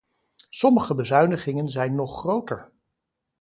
Sommige bezuinigingen zijn nog groter.